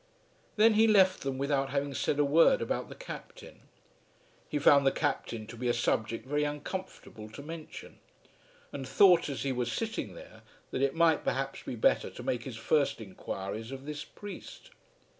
Then he left them, without having said a word about the Captain. He found the Captain to be a subject very uncomfortable to mention, and thought as he was sitting there that it might perhaps be better to make his first enquiries of this priest.